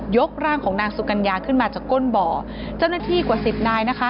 กร่างของนางสุกัญญาขึ้นมาจากก้นบ่อเจ้าหน้าที่กว่าสิบนายนะคะ